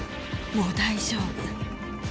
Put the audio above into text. もう大丈夫。